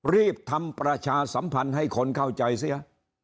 รีบทำประชาสัมพันธ์ให้คนเข้าใจเสีย